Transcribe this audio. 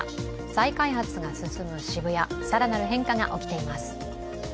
再開発が進む渋谷、更なる変化が起きています。